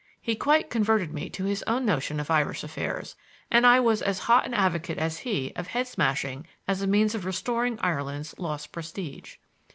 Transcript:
He quite converted me to his own notion of Irish affairs, and I was as hot an advocate as he of head smashing as a means of restoring Ireland's lost prestige.